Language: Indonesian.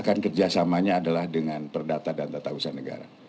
kan kerjasamanya adalah dengan perdata dan tata usaha negara